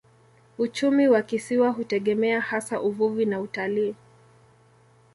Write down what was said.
Uchumi wa kisiwa hutegemea hasa uvuvi na utalii.